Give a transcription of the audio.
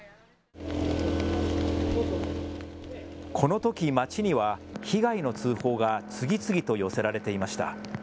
このとき町には被害の通報が次々と寄せられていました。